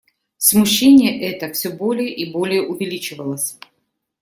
Смущение это всё более и более увеличивалось.